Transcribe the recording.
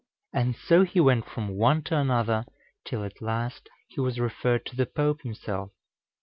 And so he went from one to another, till at last he was referred to the Pope himself.